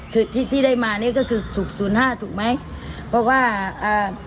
คือที่ที่ได้มานี่ก็คือถูกศูนย์ห้าถูกไหมเพราะว่าอ่า